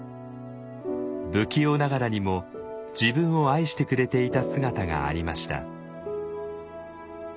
不器用ながらにも自分を愛してくれていた姿がありました。